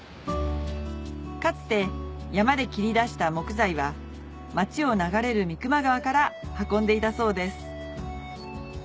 かつて山で切り出した木材は町を流れる三隈川から運んでいたそうです